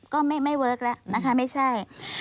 ก็ไม่เวิร์คแล้วนะคะไม่ใช่